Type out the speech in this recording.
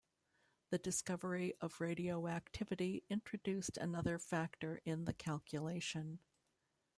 The discovery of radioactivity introduced another factor in the calculation.